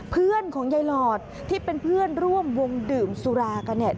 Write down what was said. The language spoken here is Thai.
เพื่อนของยายหลอดที่เป็นเพื่อนร่วมวงดื่มสุรากันเนี่ย